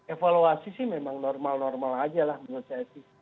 evaluasi sih memang normal normal aja lah menurut saya sih